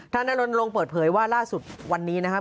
ท่านนโรนลงเปิดเผยว่าล่าสุดวันนี้นะครับ